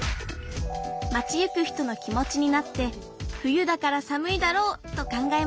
町行く人の気持ちになって冬だから寒いだろうと考えました。